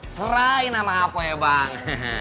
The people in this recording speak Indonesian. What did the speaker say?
ngerain sama apa ya bang